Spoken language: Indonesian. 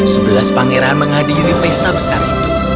sebelas pangeran menghadiri pesta besar itu